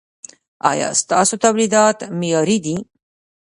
ایا ستاسو تولیدات معیاري دي؟